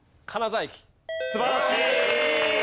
素晴らしい！